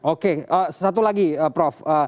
oke satu lagi prof